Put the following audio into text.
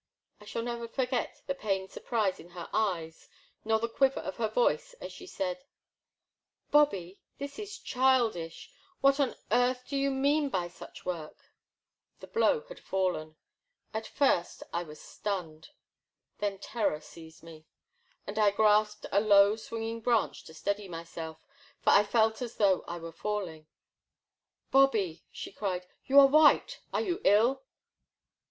I shall never forget the pained surprise in her eyes nor the quiver of her voice as she said :Bobby, this is childish, what on earth do you mean by such work ?" The blow had fallen. At first I was stunned. Then terror seized me, and I grasped a low swing ing branch to steady myself, for I felt as though I were falling. " Bobby," she cried, " you are white — are you ill?"